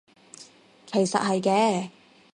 其實係嘅